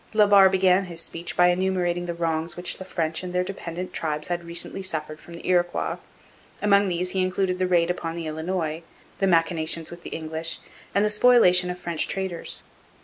La Barre began his speech by enumerating the wrongs which the French and their dependent tribes had recently suffered from the Iroquois. Among these he included the raid upon the Illinois, the machinations with the English, and the spoliation of French traders.